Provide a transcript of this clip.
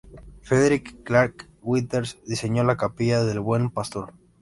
Frederick Clarke Withers diseñó la Capilla del Buen Pastor.